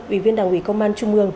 ủy viên đảng ủy công an trung ương